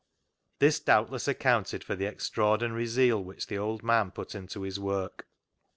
This doubtless accounted for the extraor dinary zeal which the old man put into his work.